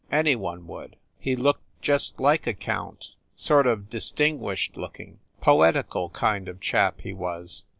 Any one would. He looked just like a count sort of distinguished looking, poetical kind of chap, he was.